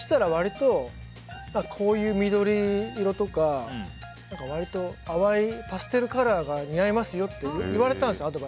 そしたら割と、こういう緑色とか淡いパステルカラーが似合いますよって言われたんですよ。